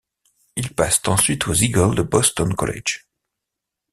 Il passe ensuite aux Eagles de Boston College.